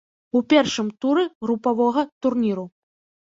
У першым туры групавога турніру.